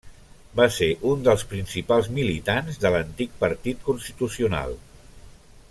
Va ser un dels principals militants de l'antic Partit Constitucional.